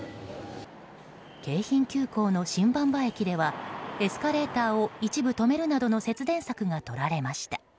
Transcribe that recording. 京浜急行の新馬場駅ではエスカレーターを一部止めるなどの節電策がとられました。